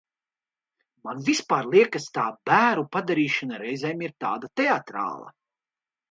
Man vispār liekas tā bēru padarīšana reizēm ir tāda teatrāla.